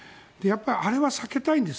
あれは避けたいんです。